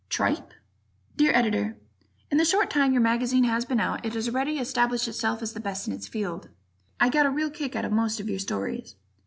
Tripe? Dear Editor: In the short time your mag. has been out, it has already established itself as the best in the field. I got a real kick out of most of your stories.